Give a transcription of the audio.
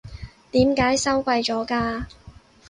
點解收貴咗㗎？